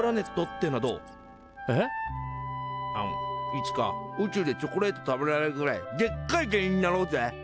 いつか宇宙でチョコレート食べられるぐらいでっかい芸人になろうぜ！